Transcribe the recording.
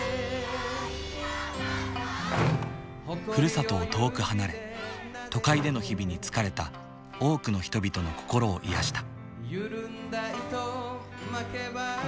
ふるさとを遠く離れ都会での日々に疲れた多くの人々の心を癒やした。